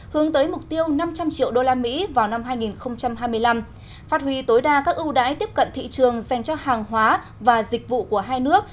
hướng tới mục tiêu năm trăm linh triệu usd vào năm hai nghìn hai mươi năm phát huy tối đa các ưu đãi tiếp cận thị trường dành cho hàng hóa và dịch vụ của hai nước